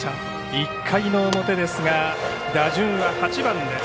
１回の表ですが打順は８番です。